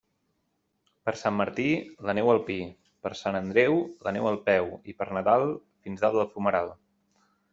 Per Sant Martí, la neu al pi; per Sant Andreu, la neu al peu, i per Nadal, fins dalt del fumeral.